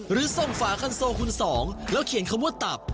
หรือส่งฝาคันโซคุณสองแล้วเขียนคำว่าตับ